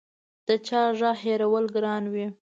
د چا غږ هېرول ګران وي